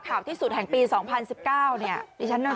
แถมมีสรุปอีกต่างหาก